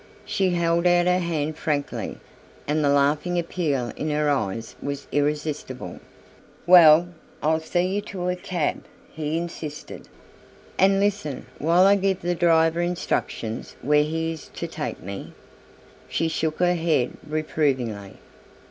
She held out her hand frankly and the laughing appeal in her eyes was irresistible. "Well, I'll see you to a cab," he insisted. "And listen while I give the driver instructions where he is to take me?" She shook her head reprovingly.